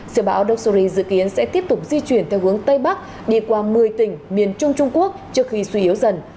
sự bão doxury dự kiến sẽ tiếp tục di chuyển theo hướng tây bắc đi qua một mươi tỉnh miền trung trung quốc trước khi suy yếu dần